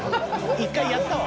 １回やったわ。